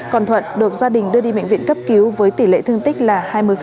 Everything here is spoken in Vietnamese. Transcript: còn thuận được gia đình đưa đi bệnh viện cấp cứu với tỷ lệ thương tích là hai mươi